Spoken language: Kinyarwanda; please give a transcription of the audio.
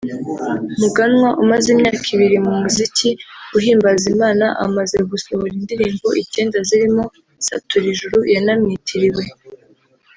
Muganwa umaze imyaka ibiri mu muziki uhimbaza Imana amaze gusohora indirimbo icyenda zirimo “Satura Ijuru” yanamwitiriwe